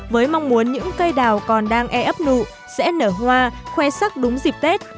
với mong muốn những cây đào còn đang e ấp nụ sẽ nở hoa khoe sắc đúng dịp tết